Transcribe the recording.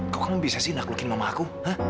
kau kan bisa sih naklukin mama aku